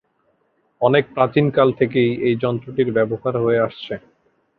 অনেক প্রাচীন কাল থেকেই এই যন্ত্রটির ব্যবহার হয়ে আসছে।